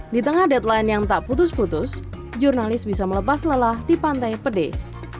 di tengah deadline yang tak putus putus jurnalis bisa melepas lelah di pantai pedih